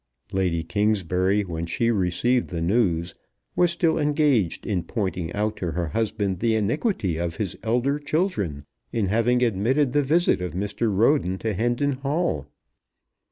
Lady Kingsbury, when she received the news, was still engaged in pointing out to her husband the iniquity of his elder children in having admitted the visit of Mr. Roden to Hendon Hall.